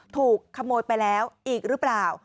ถูกขโมยไปแล้วอีกหรือเปล่า